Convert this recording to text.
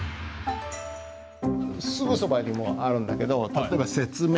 すぐそばにもあるんだけど例えば「説明」。